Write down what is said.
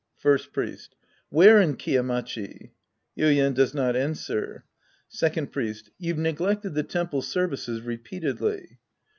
First Priest. Where in Kiya Machi ? (Yuien does not answer.) Second Priest. You've neglected the temple ser vices repeatedly.